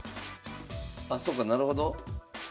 あそうかなるほど。